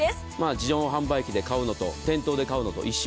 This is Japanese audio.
自動販売機で買うのと店頭で買うのと一緒。